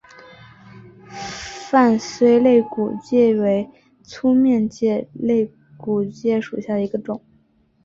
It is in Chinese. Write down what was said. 范睢肋骨介为粗面介科肋骨介属下的一个种。